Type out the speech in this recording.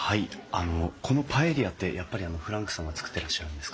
あのこのパエリアってやっぱりフランクさんが作ってらっしゃるんですか？